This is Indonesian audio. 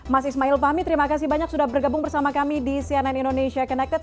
mas ismail fahmi terima kasih banyak sudah bergabung bersama kami di cnn indonesia connected